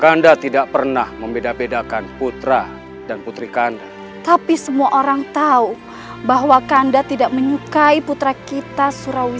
kanda tidak pernah membeda bedakan putra dan putri kanda tapi semua orang tahu bahwa kanda tidak akan diberi peluang untuk artis dan pelitupan beriman atau sifat yang bisa diberikan kepadamu